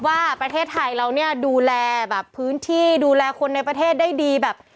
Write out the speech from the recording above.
ว่าประเทศไทยเราเนี่ยดูแลแบบพื้นที่ดูแลคนในประเทศได้ดีแบบ